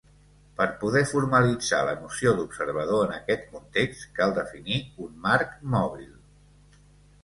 Per poder formalitzar la noció d'observador en aquest context cal definir un marc mòbil.